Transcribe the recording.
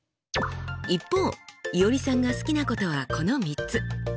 一方いおりさんが好きなことはこの３つ。